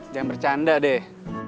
jangan bercanda deh